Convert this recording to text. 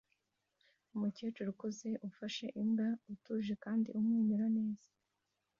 Umukecuru ukuze ufashe imbwa ituje kandi amwenyura neza